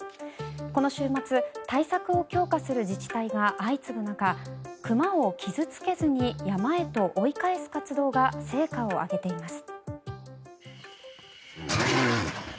この週末、対策を強化する自治体が相次ぐ中熊を傷付けずに山へと追い返す活動が成果を上げています。